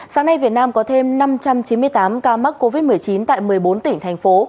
sáng nay việt nam có thêm năm trăm chín mươi tám ca mắc covid một mươi chín tại một mươi bốn tỉnh thành phố